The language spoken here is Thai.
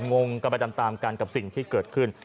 งงกันไปตามกันกับสิ่งที่เกิดขึ้น